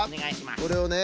これをね